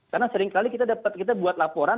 karena seringkali kita dapat kita buat laporan